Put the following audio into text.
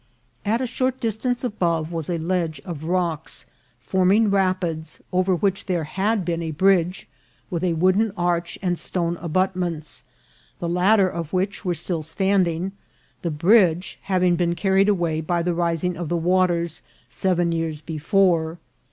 At a short distance above was a ledge of rocks, forming rap ids, over which there h^ad been a bridge with a wooden arch and stone abutments, the latter of which were still standing, the bridge having been carried away by the rising of the waters seven years before.